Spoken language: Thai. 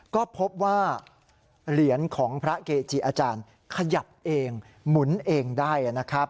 ก็พบว่าเหรียญของพระเกจิอาจารย์ขยับเองหมุนเองได้นะครับ